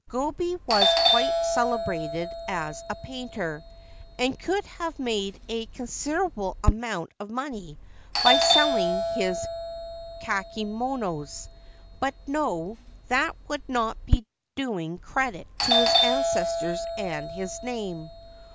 Gobei was quite celebrated as a painter, and could have made a con siderable amount of money by selling his kakemonos ; but no — that would not be doing credit to his ancestors and his name.